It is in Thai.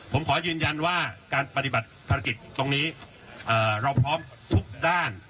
ผมขอยืนยันว่าการปฏิบัติภารกิจตรงนี้เราพร้อมทุกด้าน